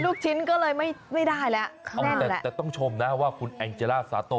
ลูกชิ้นก็เลยไม่ได้แล้วแต่ต้องชมนะว่านครแองเจลล่าซาโต้